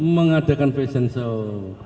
mengadakan fashion show